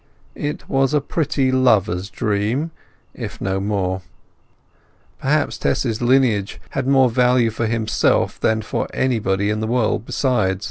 It was a pretty lover's dream, if no more. Perhaps Tess's lineage had more value for himself than for anybody in the world beside.